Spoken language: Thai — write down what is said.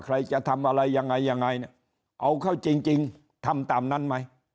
ใครจะทำอะไรยังไงยังไงเนี่ยเอาเข้าจริงทำตามนั้นไหม